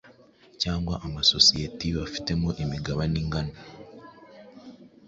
cyangwa amasosiyeti bafitemo imigabane ingana